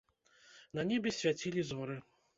На небе свяцілі зоры.